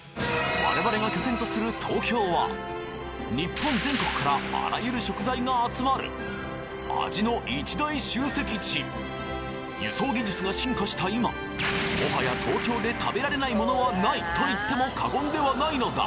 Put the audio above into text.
我々が拠点とする東京は日本全国からあらゆる食材が集まる味の一大集積地輸送技術が進化した今もはやと言っても過言ではないのだ！